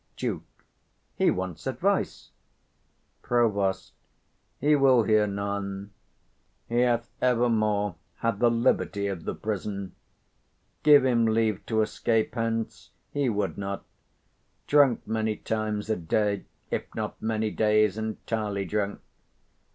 Duke. He wants advice. Prov. He will hear none: he hath evermore had the 140 liberty of the prison; give him leave to escape hence, he would not: drunk many times a day, if not many days entirely drunk.